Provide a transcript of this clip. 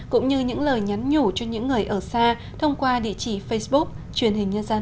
cũng như những lời nhắn nhủ cho những người ở xa thông qua địa chỉ facebook truyền hình nhân dân